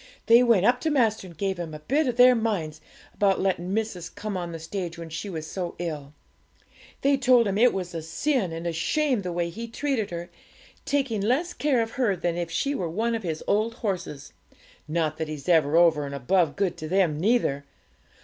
They went up to master, and gave him a bit of their minds about letting missis come on the stage when she was so ill. They told him it was a sin and a shame the way he treated her, taking less care of her than if she were one of his old horses (not that he's over and above good to them neither).